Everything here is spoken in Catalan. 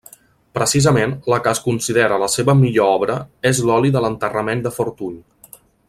Precisament, la que es considera la seva millor obra és l'oli de l'enterrament de Fortuny.